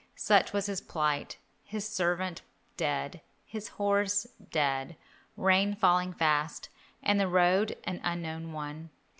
Such was his plight: his servant dead, his horse dead, rain falling fast, and the road an unknown one.